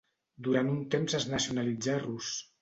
Durant un temps es nacionalitzà rus.